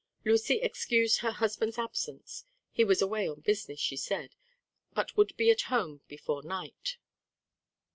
Lucy excused her husband's absence: he was away on business, she said, but would be at home before night.